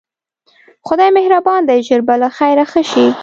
خدای مهربان دی ژر به له خیره ښه شې.